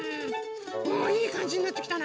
おおいいかんじになってきたな。